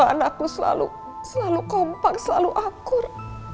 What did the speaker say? aku selalu kompak selalu akur